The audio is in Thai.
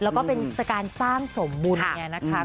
แล้วก็เป็นการสร้างสมบุญเนี่ยนะคะ